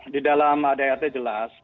di dalam adatnya jelas